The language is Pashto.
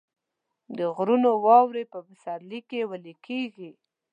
د غرونو واورې په پسرلي کې ویلې کیږي